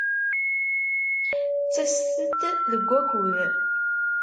Ttaset-d deg wakud.